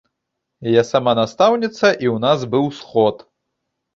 Я сама настаўніца, і ў нас быў сход.